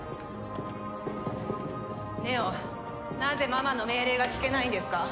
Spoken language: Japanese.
祢音なぜママの命令が聞けないんですか？